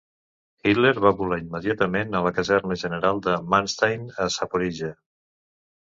Hitler va volar immediatament a la caserna general de Manstein a Zaporíjia.